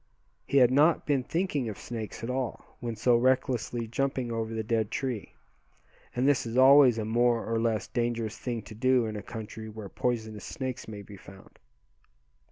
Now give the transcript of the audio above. He had not been thinking of snakes at all, when so recklessly jumping over the dead tree; and this is always a more or less dangerous thing to do in a country where poisonous snakes may be found.